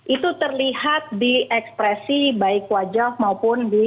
itu terlihat di ekspresi baik wajah maupun di